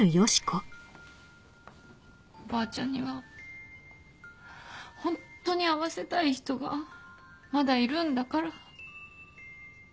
おばあちゃんにはホントに会わせたい人がまだいるんだから。